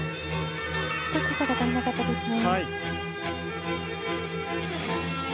高さが足りなかったですね。